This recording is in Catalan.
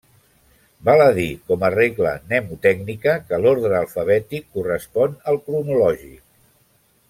Val a dir com a regla mnemotècnica que l'ordre alfabètic correspon al cronològic.